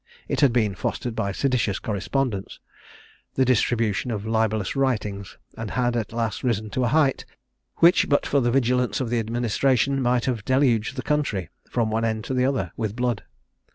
It had been fostered by seditious correspondence, the distribution of libellous writings, and had at last risen to a height, which, but for the vigilance of the administration, might have deluged the country, from one end to the other, with blood.